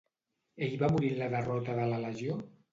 Ell va morir en la derrota de la legió?